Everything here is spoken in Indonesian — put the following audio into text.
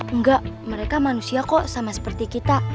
enggak mereka manusia kok sama seperti kita